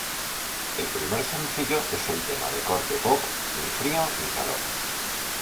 El primer sencillo es el tema de corte pop "Ni frío ni calor".